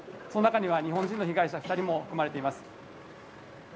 その中には日本人の被害者２人も含まれています。